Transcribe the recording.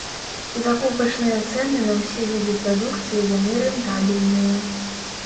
Закупачныя цэны на ўсе віды прадукцыі яны рэнтабельныя.